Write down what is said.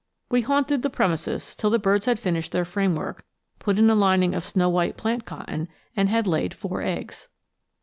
We haunted the premises till the birds had finished their framework, put in a lining of snow white plant cotton, and had laid four eggs.